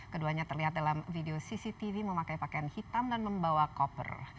keduanya terlihat dalam video cctv memakai pakaian hitam dan membawa koper